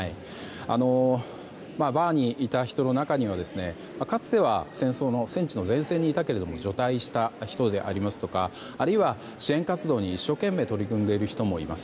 バーにいた人の中には、かつては戦争の戦地の前線にいたけれども除隊した人でありますとかあるいは支援活動に一生懸命取り組んでいる人もいます。